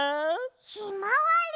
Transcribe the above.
ひまわり！